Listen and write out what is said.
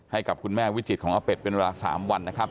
ให้กับคุณแม่วิจิตของอาเป็ดเป็นเวลา๓วันนะครับ